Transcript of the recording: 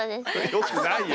よくないよ。